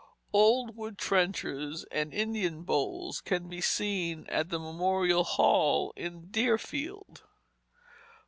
Old wooden trenchers and "Indian bowls" can be seen at the Memorial Hall in Deerfield.